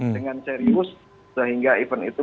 dengan serius sehingga event itu